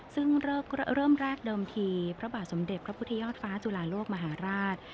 ซึ่งเริ่มแรกเดิมทีพระบาทสมเด็จพระพุทธยอดฟ้าจุฬาโลกมหาราช